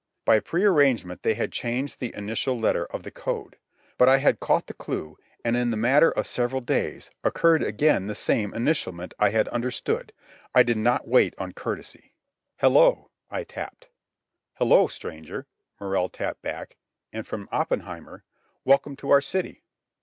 By pre arrangement they had changed the initial letter of the code. But I had caught the clue, and, in the matter of several days, occurred again the same initialment I had understood. I did not wait on courtesy. "Hello," I tapped "Hello, stranger," Morrell tapped back; and, from Oppenheimer, "Welcome to our city."